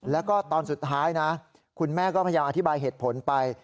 แล้วก็ตอนสุดท้ายนะคุณแม่ก็พยายามอธิบายเหตุผลไป